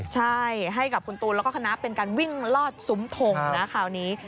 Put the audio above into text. ใช่ให้กับคุณตูนแล้วก็คณะเป็นการวิ่งลอดซุ้มทงนะคราวนี้